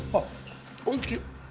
おいしい！